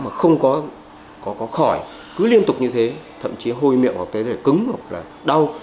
mà không có khỏi cứ liên tục như thế thậm chí hôi miệng hoặc thấy cứng hoặc là đau